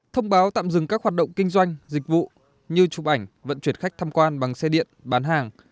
thông báo tạm dừng các hoạt động kinh doanh dịch vụ như chụp ảnh vận chuyển khách tham quan bằng xe điện bán hàng